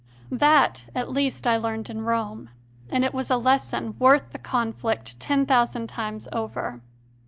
That at least I learned in Rome, and it was a lesson worth the conflict ten thousand times over.